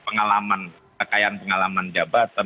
pengalaman kekayaan pengalaman jabatan